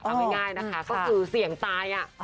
เอาง่ายนะคะก็คือเสี่ยงตาย